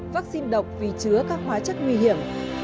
vaccine độc vì chứa các hóa chất nguy hiểm